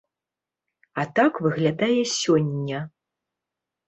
А так выглядае сёння.